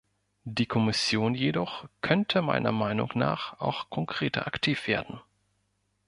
Die Kommission jedoch könnte meiner Meinung nach auch konkreter aktiv werden.